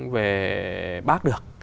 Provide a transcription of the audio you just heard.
về bác được